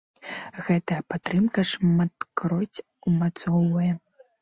Гэтая падтрымка шматкроць умацоўвае.